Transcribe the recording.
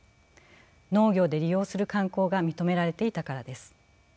農業で利用する慣行が認められていたからです。